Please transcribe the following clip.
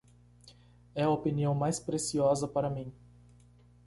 É a opinião mais preciosa para mim.